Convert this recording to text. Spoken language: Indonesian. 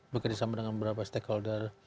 bekerjasama dengan beberapa stakeholder